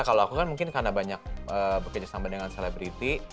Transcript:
kalau aku kan mungkin karena banyak bekerja sama dengan selebriti